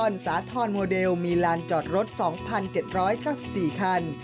สาธรณ์โมเดลมีลานจอดรถ๒๗๙๔คัน